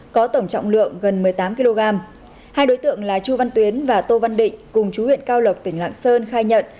có tổng trọng lượng gần một mươi tám kg hai đối tượng là chu văn tuyến và tô văn định cùng chú huyện cao lộc tỉnh lạng sơn khai nhận